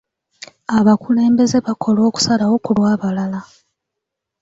Abakulembeze bakola okusalawo ku lw'abalala.